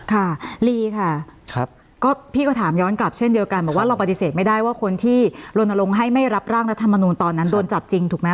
ค่ะลีค่ะก็พี่ก็ถามย้อนกลับเช่นเดียวกันบอกว่าเราปฏิเสธไม่ได้ว่าคนที่ลนลงให้ไม่รับร่างรัฐมนูลตอนนั้นโดนจับจริงถูกไหม